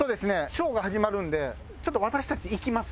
ショーが始まるんでちょっと私たち行きます。